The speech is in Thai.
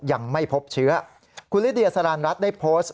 ยังไม่พบเชื้อคุณลิเดียสารรัฐได้โพสต์